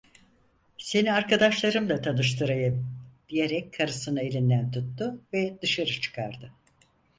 "Seni arkadaşlarımla tanıştırayım" diyerek karısını elinden tuttu ve dışarı çıkardı.